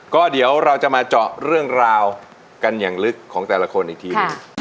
ก็เดี๋ยวเราจะมาเจาะเรื่องราวกันอย่างลึกของแต่ละคนอีกทีหนึ่ง